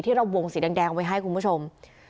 เราวงสีแดงไว้ให้คุณผู้ชม